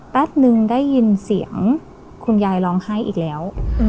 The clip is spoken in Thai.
แป๊บนึงได้ยินเสียงคุณยายร้องไห้อีกแล้ว